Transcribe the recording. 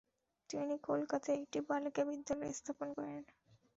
তিনি কলকাতায় একটি বালিকা বিদ্যালয় স্থাপন করেন।